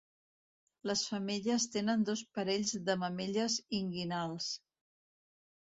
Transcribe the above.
Les femelles tenen dos parells de mamelles inguinals.